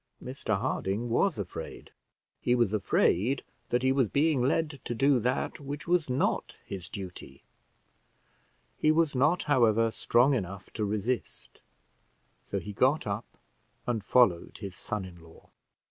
Mr Harding was afraid; he was afraid that he was being led to do that which was not his duty; he was not, however, strong enough to resist, so he got up and followed his son in law.